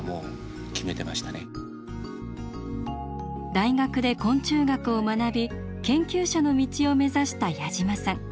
大学で昆虫学を学び研究者の道を目指した矢島さん。